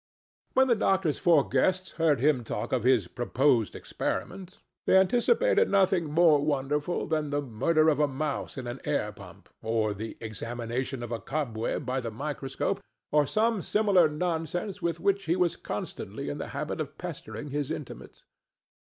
When the doctor's four guests heard him talk of his proposed experiment, they anticipated nothing more wonderful than the murder of a mouse in an air pump or the examination of a cobweb by the microscope, or some similar nonsense with which he was constantly in the habit of pestering his intimates.